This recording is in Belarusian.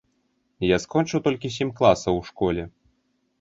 Я скончыў толькі сем класаў у школе.